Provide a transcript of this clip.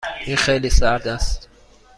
این خیلی سرد است.